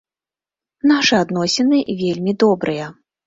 Нашы адносіны вельмі добрыя.